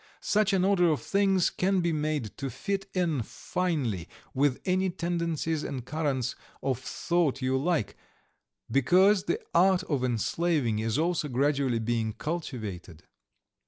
Such an order of things can be made to fit in finely with any tendencies and currents of thought you like, because the art of enslaving is also gradually being cultivated.